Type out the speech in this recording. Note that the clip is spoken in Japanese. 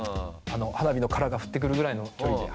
花火の殻が降ってくるぐらいの距離で。